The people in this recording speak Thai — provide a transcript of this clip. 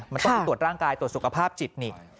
มันต้องไปตรวจร่างกายตรวจสุขภาพจิตนี่